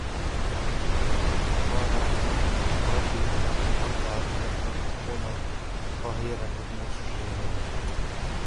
قال رب بما أنعمت علي فلن أكون ظهيرا للمجرمين